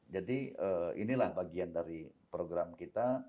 jadi inilah bagian dari program kita